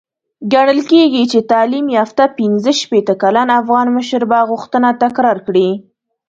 ګڼل کېږي چې تعليم يافته پنځه شپېته کلن افغان مشر به غوښتنه تکرار کړي.